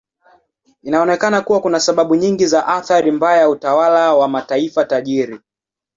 Inaonekana kuwa kuna sababu nyingi za athari mbaya ya utawala wa mataifa tajiri.